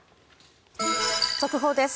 速報です。